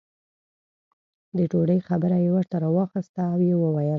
د ډوډۍ خبره یې ورته راواخسته او یې وویل.